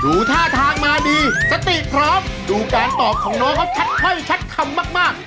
ดูท่าทางมาดีสติพร้อมดูการตอบของน้องเขาชัดถ้อยชัดคำมากมาก